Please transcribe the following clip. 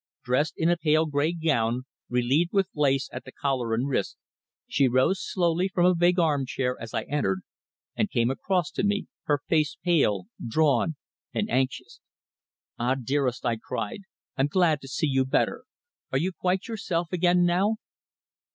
Dressed in a pale grey gown, relieved with lace at the collar and wrists, she rose slowly from a big armchair as I entered, and came across to me, her face pale, drawn, and anxious. "Ah! dearest," I cried. "I'm glad to see you better. Are you quite yourself again now?"